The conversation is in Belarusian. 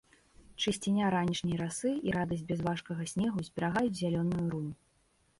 Чысціня ранішняй расы і радасць бязважкага снегу зберагаюць зялёную рунь.